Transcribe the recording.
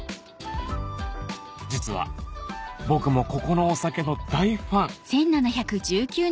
実は僕もここのお酒の大ファン